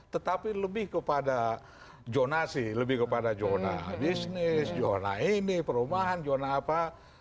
tetapi lebih kepada zonasi lebih kepada zona bisnis zona ini perumahan zona apa